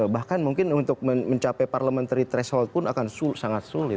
bahkan mungkin untuk mencapai parliamentary threshold pun akan sangat sulit